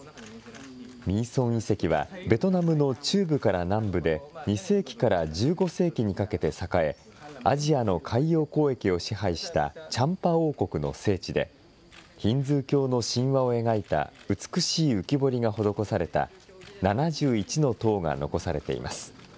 ミーソン遺跡はベトナムの中部から南部で２世紀から１５世紀にかけて栄え、アジアの海洋交易を支配したチャンパ王国の聖地で、ヒンズー教の神話を描いた美しい浮き彫りが施された７１の塔が残されています。